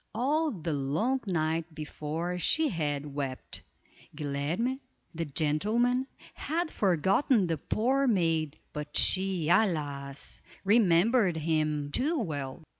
All the long night before she had wept. Guilerme, the gentleman, had forgotten the poor maid; but she, alas! remembered him too well.